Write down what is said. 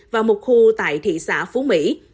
và một khu tại thị xã phú mỹ